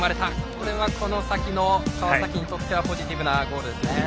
これは、この先の川崎にとってはポジティブなゴールでしたね。